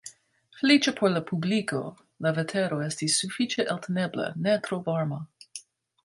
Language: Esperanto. Feliĉe por la publiko, la vetero estis sufiĉe eltenebla, ne tro varma.